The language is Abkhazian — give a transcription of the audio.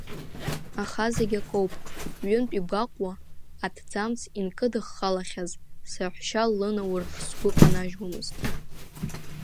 Аха зегь акоуп, ҩынтә, игәаҟуа аҭӡамц инкыдыххылахьаз саҳәшьа лынаур сгәы канажьуамызт.